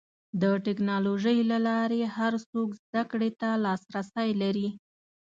د ټکنالوجۍ له لارې هر څوک زدهکړې ته لاسرسی لري.